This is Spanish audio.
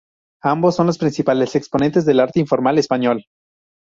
Ambos son los principales exponentes del arte informal español.